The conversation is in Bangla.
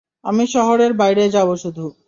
আমি শহরের বাইরে যাবো শুধু!